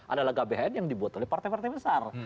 adalah gbhn yang dibuat oleh partai partai besar